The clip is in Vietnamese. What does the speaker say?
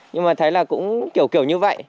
nhưng mà thấy là cũng kiểu kiểu như vậy